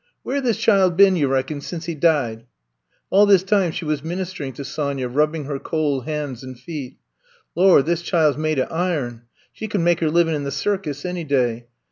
Where this chile been, you reckon, sense he daid ?'' All this time she was ministering to Sonya, rubbing her cold hands and feet. Lor', this chile 's made o' iron. She cud make her livin' in the circus any day.